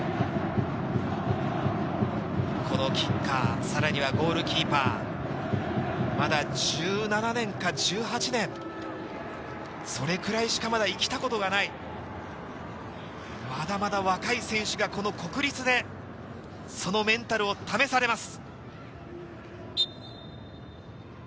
キッカー、さらにはゴールキーパー、まだ１７年か１８年、それくらいしかまだ生きたことがない、まだまだ若い選手がこの国立でそのメンタルを試されます。